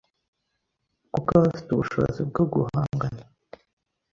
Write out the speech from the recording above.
kuko aba afite ubushobozi bwo guhangana